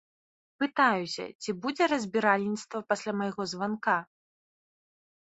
Пытаюся, ці будзе разбіральніцтва пасля майго званка.